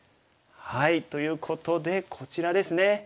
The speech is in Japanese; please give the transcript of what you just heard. ということでこちらですね。